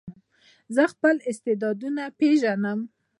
زه خپل استعدادونه پېژنم.